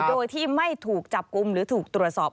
โดยที่ไม่ถูกจับกลุ่มหรือถูกตรวจสอบ